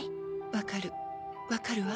分かる分かるわ。